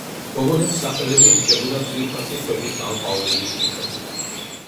გოგონებს სახელები ენიჭებოდათ ძვირფასი ქვების ან ყვავილების მიხედვით.